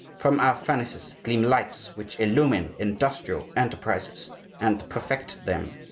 From our furnaces gleam lights which illumine industrial enterprises, and perfect them.